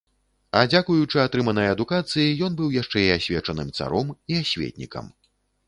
А дзякуючы атрыманай адукацыі, ён быў яшчэ і асвечаным царом і асветнікам.